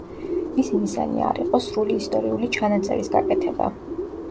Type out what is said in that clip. მისი მიზანი არ იყო სრული ისტორიული ჩანაწერის გაკეთება.